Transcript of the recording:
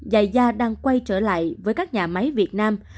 dài da đang quay trở lại với các nhà máy việt nam